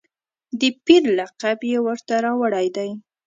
د پیر لقب یې ورته راوړی دی.